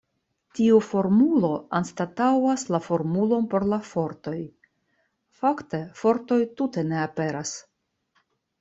Tiu formulo anstataŭas la formulon por la fortoj; fakte fortoj tute ne aperas.